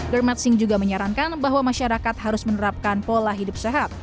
germet sink juga menyarankan bahwa masyarakat harus menerapkan pola hidup sehat